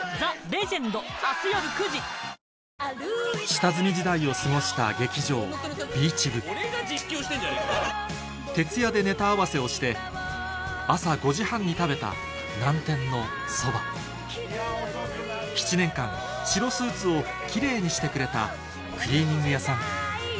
下積み時代を過ごした劇場びーちぶ徹夜でネタ合わせをして朝５時半に食べた南天のそば７年間白スーツをキレイにしてくれたクリーニング屋さん